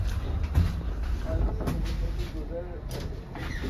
مرضی سے زندگی گرز سکیں